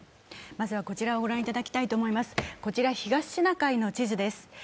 まずはこちらを御覧いただきたいと思います、こちら東シナ海の地図です。